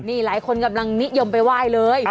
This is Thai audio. นี่หลายคนกำลังนิยมไปไหว้เลย